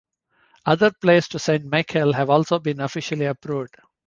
Other prayers to Saint Michael have also been officially approved.